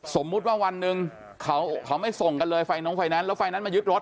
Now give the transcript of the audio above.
สมมุติว่าวันหนึ่งเขาไม่ส่งกันเลยไฟน้องไฟแนนซ์แล้วไฟแนนซมายึดรถ